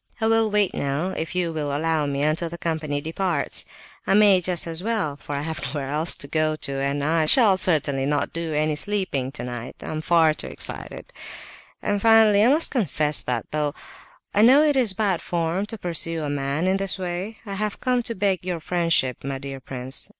I will wait now, if you will allow me, until the company departs; I may just as well, for I have nowhere else to go to, and I shall certainly not do any sleeping tonight; I'm far too excited. And finally, I must confess that, though I know it is bad form to pursue a man in this way, I have come to beg your friendship, my dear prince.